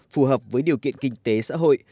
phù hợp với điều kiện kinh tế xã hội